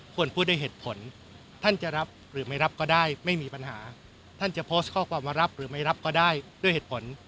ควรพูดด้วยเหตุผลท่านจะรับหรือไม่รับก็ได้ไม่มีปัญหาท่านจะโพสต์ข้อความมารับหรือไม่รับก็ได้ด้วยเหตุผล